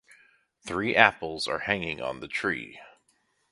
Three apples are hanging on the tree.